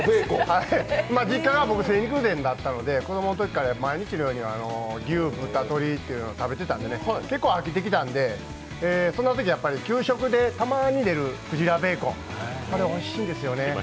実家が精肉店だったので子供のときから毎日のように牛、豚鳥っていうのを食べてたので結構、飽きてきたんで、そんなとき給食で、たまーに出る鯨ベーコン、これおいしいですよね